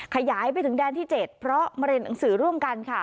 ขยายไปถึงแดนที่๗เพราะมาเรียนหนังสือร่วมกันค่ะ